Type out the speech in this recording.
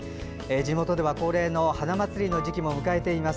地元では、恒例の花まつりの時期も迎えています。